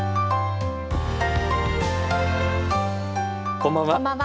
こんばんは。